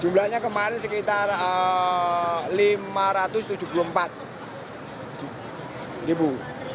jumlahnya kemarin sekitar lima ratus tujuh puluh empat ribu